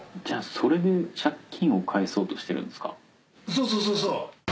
「そうそうそうそう」